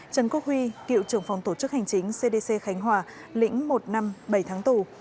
trần quốc huy cựu trưởng phòng tổ chức hành chính cdc khánh hòa lĩnh một năm bảy tháng tù